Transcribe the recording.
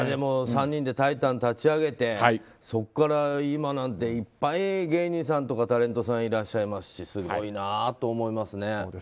３人でタイタンを立ち上げてそこから今なんていっぱい芸人さんとかタレントさんいらっしゃいますしすごいなと思いますね。